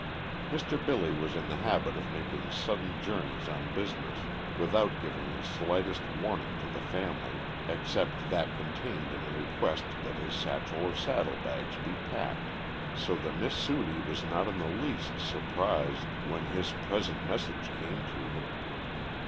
Mr. Billy was in the habit of making sudden journeys on business, without giving the slightest warning to the family except that contained in a request that his satchel or saddle bags be packed, so that Miss Sudie was not in the least surprised when his present message came to her.